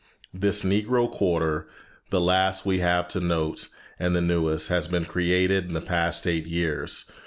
This Negro quarter, the last we have to note and the newest, has been created in the past eight years.